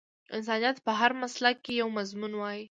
انسانيت په هر مسلک کې یو مضمون وای